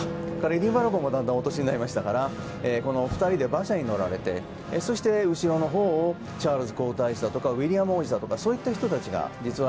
エディンバラ公もだんだんお年になりましたから２人で馬車に乗られてそして後ろのほうをチャールズ皇太子だとかウィリアム王子とかがいたと。